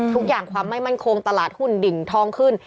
ความไม่มั่นคงตลาดหุ้นดิ่งทองขึ้น